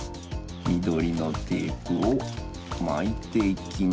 みどりのテープをまいていきます。